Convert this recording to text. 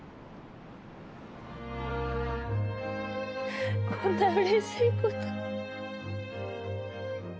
こんなうれしいことないです。